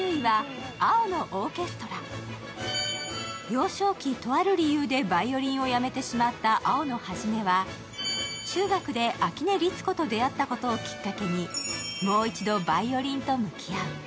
幼少期、とある理由でヴァイオリンをやめてしまった青野一は中学で秋音律子と出会ったことをきっかけにもう一度ヴァイオリンと向き合う。